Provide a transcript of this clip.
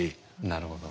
なるほど。